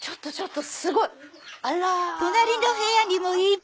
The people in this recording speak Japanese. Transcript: あら！